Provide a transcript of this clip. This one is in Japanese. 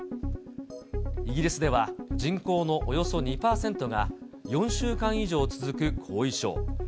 イギリスでは、人口のおよそ２％が、４週間以上続く後遺症。